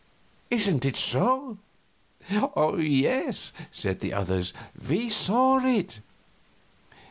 Isn't it so?" "Yes," said the others, "we saw it."